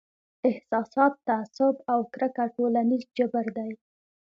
احساسات، تعصب او کرکه ټولنیز جبر دی.